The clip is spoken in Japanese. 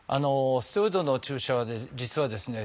ステロイドの注射は実はですね